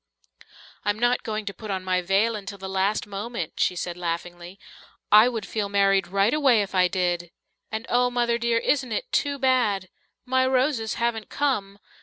"I'm not going to put on my veil until the last moment," she said laughingly. "I would feel married right away if I did. And oh, Mother dear, isn't it too bad? My roses haven't come.